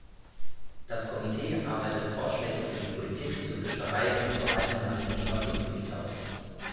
Das Komitee arbeitet Vorschläge für die Politik zur Fischerei und Verwaltung maritimer Schutzgebiete aus.